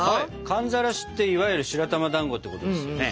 寒ざらしっていわゆる白玉だんごってことですよね。